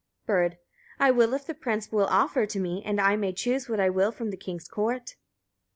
Bird. I will if the prince will offer to me, and I may choose what I will from the king's court.